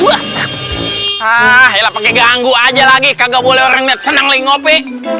ah ya pakai ganggu aja lagi kagak boleh orangnya seneng ngopi